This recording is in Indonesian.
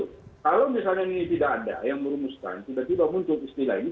kalau misalnya ini tidak ada yang merumuskan tiba tiba muncul istilah ini